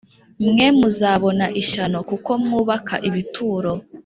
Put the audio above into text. Mwe muzabona ishyano kuko mwubaka ibituro